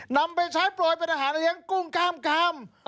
นำไปใช้โปรยเป็นอาหารเลี้ยงกุ้งกล้ามกาม